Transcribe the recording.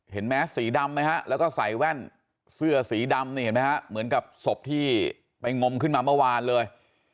เห็นไหมสีดำไหมแล้วก็ใส่แว่นเสื้อสีดำเหมือนกับศพที่ไปงมขึ้นมาเมื่อวันเลย